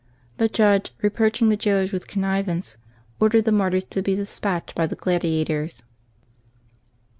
The judge, reproaching the jailers with conniv ance, ordered the martyrs to be despatched by the gladia tors.